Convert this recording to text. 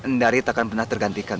ndari takkan pernah tergantikan